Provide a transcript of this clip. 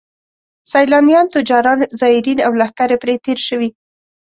سیلانیان، تجاران، زایرین او لښکرې پرې تېر شوي.